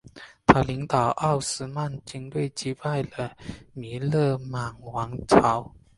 他领导奥斯曼军队击败了尕勒莽王朝。